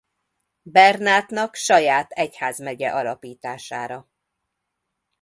Bernátnak saját egyházmegye alapítására.